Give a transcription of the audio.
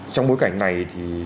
trong bối cảnh này thì